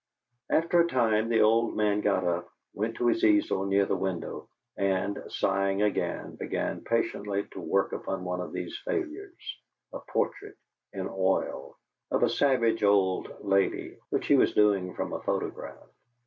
After a time the old man got up, went to his easel near a window, and, sighing again, began patiently to work upon one of these failures a portrait, in oil, of a savage old lady, which he was doing from a photograph.